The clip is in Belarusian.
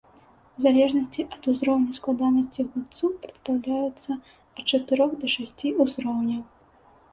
У залежнасці ад узроўню складанасці гульцу прадастаўляюцца ад чатырох да шасці узроўняў.